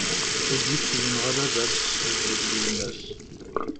Udip yenɣa baba-s, yezwej d yemma-s.